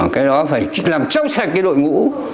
cái đó phải làm trong sạch cái đội ngũ